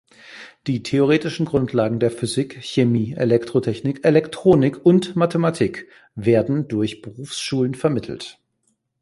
Die theoretischen Grundlagen der Physik, Chemie, Elektrotechnik, Elektronik und Mathematik werden durch Berufsschulen vermittelt.